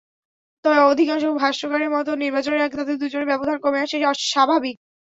তবে অধিকাংশ ভাষ্যকারের মতে, নির্বাচনের আগে তাঁদের দুজনের ব্যবধান কমে আসাই স্বাভাবিক।